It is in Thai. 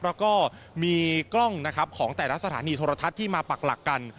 แล้วก็มีกล้องนะครับของแต่ละสถานีโทรทัศน์ที่มาปักหลักกัน